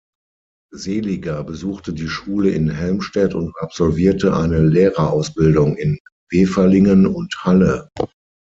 Seliger besuchte die Schule in Helmstedt und absolvierte eine Lehrerausbildung in Weferlingen und Halle.